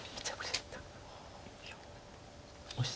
いや。